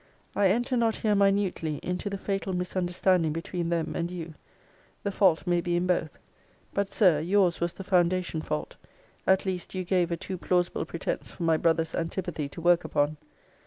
I enter not here minutely into the fatal misunderstanding between them and you: the fault may be in both. But, Sir, your's was the foundation fault: at least, you gave a too plausible pretence for my brother's antipathy to work upon.